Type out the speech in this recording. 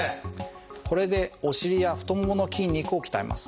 これでお尻や太ももの筋肉を鍛えます。